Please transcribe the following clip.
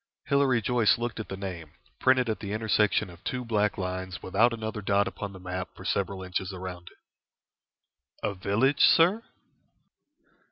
Hilary Joyce looked at the name, printed at the intersection of two black lines without another dot upon the map for several inches around it. "A village, sir?"